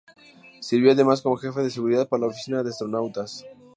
Sirvió además como Jefe de Seguridad para la Oficina de Astronautas.